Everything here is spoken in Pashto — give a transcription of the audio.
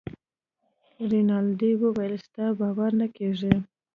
رینالډي وویل ستا باور نه کیږي.